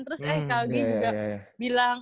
terus eh ke augie juga bilang